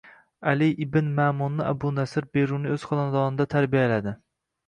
Ali ibn Ma'munni Abu Nasr, Beruniy o'z xonadonida tarbiyaladi